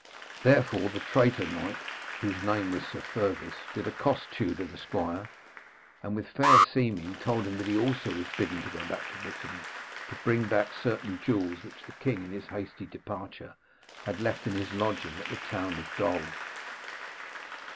Therefore the traitor knight, whose name was Sir Fergus, did accost Tewder the squire, and with fair seeming told him that he also was bidden to go back to Brittany, to bring back certain jewels which the king in his hasty departure had left in his lodging at the town of Dol.